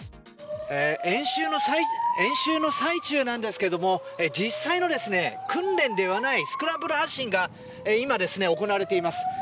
演習の最中なんですけども実際の訓練ではないスクランブル発進が今、行われています。